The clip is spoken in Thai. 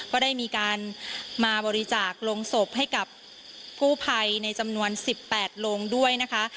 ก็ได้มีการมาบริจาคโรงศพให้กับกู้ภัยในจำนวน๑๘โลงด้วยนะคะ